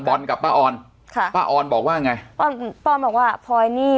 กับป้าออนค่ะป้าออนบอกว่าไงป้อมป้อนบอกว่าพลอยนี่